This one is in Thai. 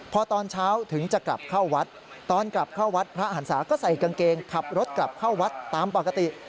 พอตอนเช้าถึงจะกลับเข้าวัดตอนกลับเข้าวัดพระหันศาก็ใส่กางเกงขับรถกลับเข้าวัดตามปกติ